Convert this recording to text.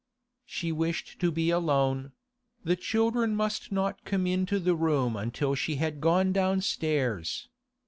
She wished to be alone; the children must not come into the room until she had gone downstairs.